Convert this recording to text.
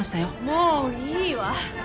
もういいわ！